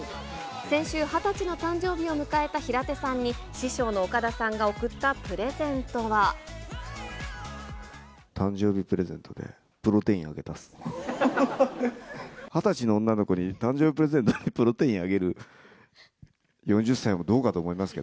先週、２０歳の誕生日を迎えた平手さんに、師匠の岡田さんが贈ったプレ誕生日プレゼントで、プロテインあげたんすよ。